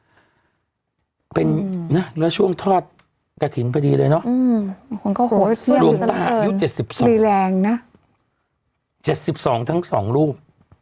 วันนี้พบเป็นเนื้อช่วงทอดกระถินพอดีเลยเนาะโรงตะยุทธ๗๒ทั้งสองรูป